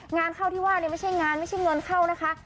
งานเข้าที่ว่าเนี่ยไม่ใช่งานไม่ใช่เงินเข้านะคะ